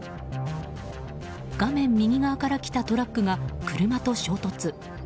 画面右側から来たトラックが車と衝突。